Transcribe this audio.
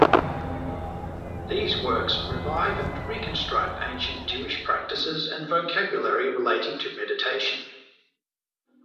These works revive and reconstruct ancient Jewish practices and vocabulary relating to meditation.